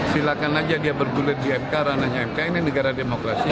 silakan aja dia bergulir di mk ranahnya mk ini negara demokrasi